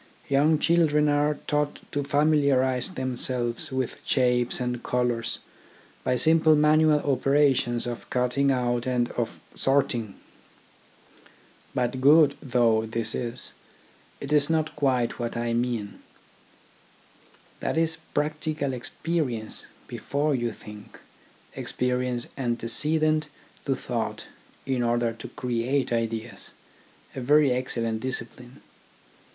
Young children are taught to familiarise themselves with shapes and colours by simple manual operations of cutting out and of sorting. But good though this is, it is not quite what I mean. That is practical experience before you think, experience ante cedent to thought in order to create ideas, a very excellent discipline.